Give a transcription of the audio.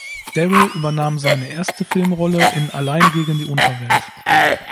Darrell übernahm seine erste Filmrolle in "Allein gegen die Unterwelt".